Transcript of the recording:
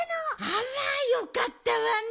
あらよかったわね。